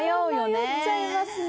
迷っちゃいますね。